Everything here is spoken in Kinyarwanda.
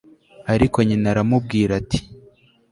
ariko nyina aramubwira ati